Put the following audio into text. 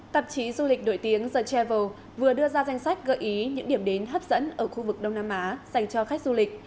tạp chí du lịch nổi tiếng the travel vừa đưa ra danh sách gợi ý những điểm đến hấp dẫn ở khu vực đông nam á dành cho khách du lịch